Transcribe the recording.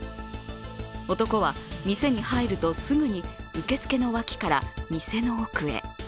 男は店に入るとすぐに受付の脇から店の奥へ。